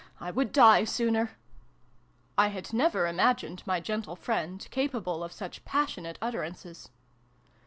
I would die sooner !" I had never imagined my gentle friend capable of such passionate utterances.